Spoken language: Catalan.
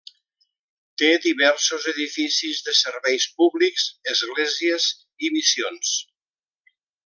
Té diversos edificis de serveis públics, esglésies i missions.